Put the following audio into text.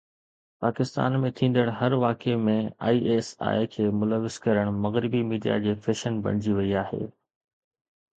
پاڪستان ۾ ٿيندڙ هر واقعي ۾ آءِ ايس آءِ کي ملوث ڪرڻ مغربي ميڊيا جي فيشن بڻجي وئي آهي